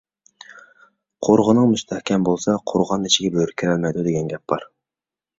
«قورغىنىڭ مۇستەھكەم بولسا، قورغان ئىچىگە بۆرە كىرەلمەيدۇ» دېگەن گەپ بار.